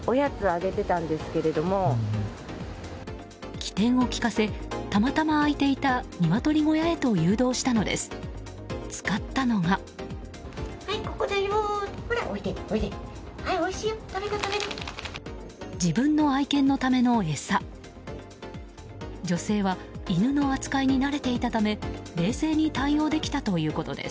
機転を利かせたまたま空いていた鶏小屋へと誘導したのです。